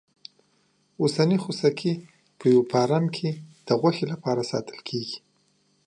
اوسنی خوسکی په یوه فارم کې د غوښې لپاره ساتل کېږي.